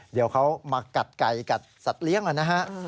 เดี๋ยวเขามากัดไก่กัดสัตว์เลี้ยงนะฮะ